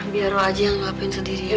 biar lu aja yang ngelapain sendiri ya mak